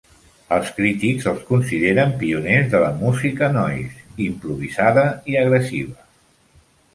Els crítics els consideren pioners de la música "noise" improvisada i agressiva.